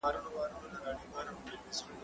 زه سړو ته خواړه ورکړي دي،